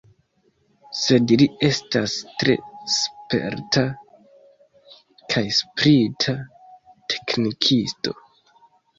Sed li estas tre sperta kaj sprita teknikisto.